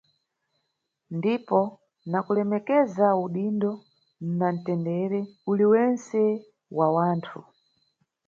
Ndipo na kulemekeza udindo na ntendere uliwentse wa wanthu.